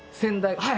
はい。